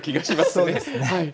そうですね。